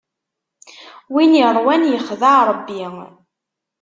Win iṛwan ixdeɛ Ṛebbi.